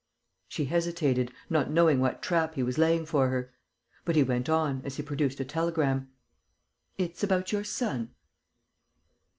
She hesitated, not knowing what trap he was laying for her; but he went on, as he produced a telegram: "It's about your son."